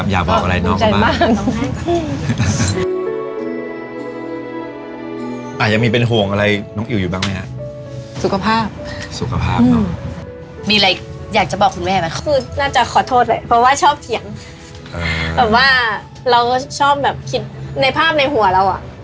แบบว่าเราก็ชอบแบบคิดในภาพในหัวเราอะ